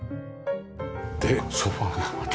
でソファがまた。